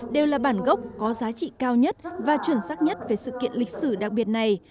đều là bản gốc có giá trị cao nhất và chuẩn sắc nhất về sự kiện lịch sử đặc biệt này